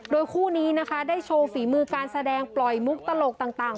โดยคู่นี้นะคะได้โชว์ฝีมือการแสดงปล่อยมุกตลกต่าง